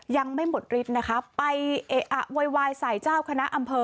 ยังไม่หมดฤทธิ์นะคะไปเอะอะโวยวายใส่เจ้าคณะอำเภอ